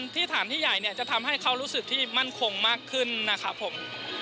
ที่ฐานที่ใหญ่เนี่ยจะทำให้เขารู้สึกที่มั่นคงมากขึ้นนะครับผม